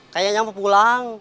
kayaknya mau pulang